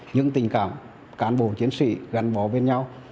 những tình cảm cán bộ chiến sĩ gắn bó với nhau